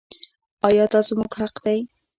آیا دا زموږ حق دی؟